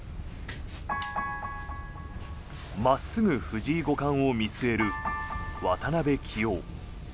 真っすぐ藤井五冠を見据える渡辺棋王。